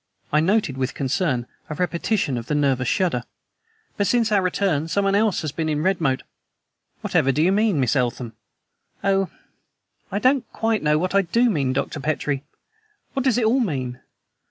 I noted, with concern, a repetition of the nervous shudder. "But since our return someone else has been in Redmoat!" "Whatever do you mean, Miss Eltham?" "Oh! I don't quite know what I do mean, Dr. Petrie. What does it ALL mean?